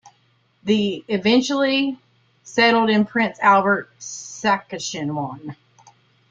They eventually settled in Prince Albert, Saskatchewan.